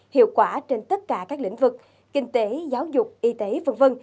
hiệu quả trên tất cả các lĩnh vực kinh tế giáo dục y tế v v